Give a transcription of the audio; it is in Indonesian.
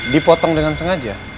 dipotong dengan sengaja